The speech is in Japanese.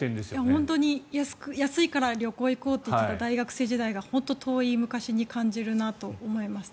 本当に、安いから旅行に行こうと言っていた大学生時代が本当に遠い昔に感じるなと思います。